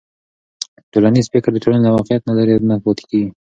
ټولنیز فکر د ټولنې له واقعیت نه لرې نه پاتې کېږي.